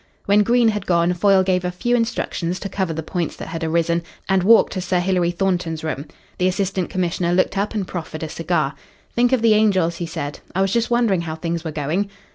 When Green had gone, Foyle gave a few instructions to cover the points that had arisen, and walked to Sir Hilary Thornton's room. The Assistant Commissioner looked up and proffered a cigar. "Think of the angels," he said. "I was just wondering how things were going."